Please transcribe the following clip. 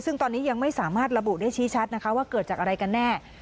ซึ่งตอนนี้ยังไม่สามารถระบุได้ชี้ชัดนะคะว่าเกิดจากอะไรกันแน่